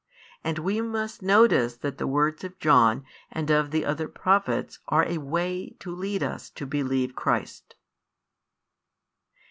And we must notice that the words of John and of the other Prophets are a way [to lead us] to believe Christ.